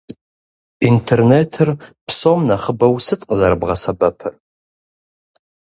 Интернетыр псом нэхъыбэу сыт къызэрыбгъэсэбэпыр?